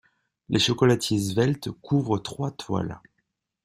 Les chocolatiers sveltes couvrent trois toiles.